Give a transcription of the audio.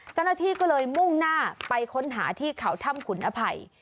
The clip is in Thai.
เจ้าหน้าที่ก็เลยมุ่งหน้าไปค้นหาที่เขาถ้ำขุนอภัย